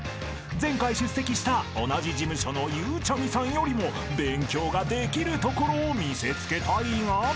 ［前回出席した同じ事務所のゆうちゃみさんよりも勉強ができるところを見せつけたいが］